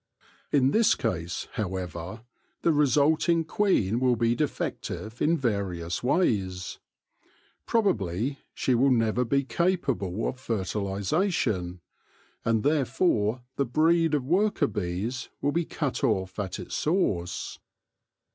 In this case, however, the resulting queen will be defec tive in various ways. Probably she will never be capable of fertilisation, and therefore the breed of worker bees will be cut off at its source.